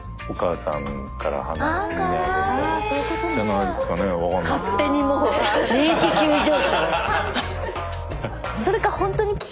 お母さんに。